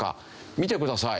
見てください。